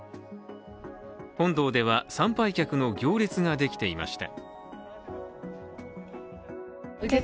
本堂では、参拝客の行列ができていました。